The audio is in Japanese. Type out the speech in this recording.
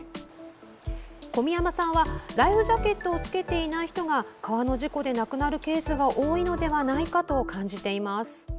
小宮山さんはライフジャケットを着けていない人が川の事故で亡くなるケースが多いのではないかと感じています。